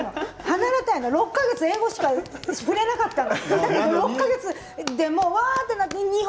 離れたいの、６か月英語しか触れなかったの。